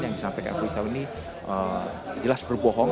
yang disampaikan rudy setiawan ini jelas berbohong